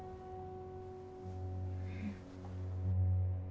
うん。